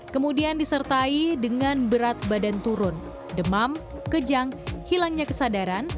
kemudian disertai dengan berat badan turun demam kejang hilangnya kesadaran